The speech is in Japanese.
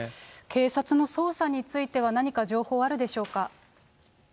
警察の捜査については、何か情報はあるでしょうか。